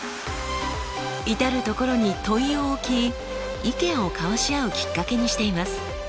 至る所に問いを置き意見を交わし合うきっかけにしています。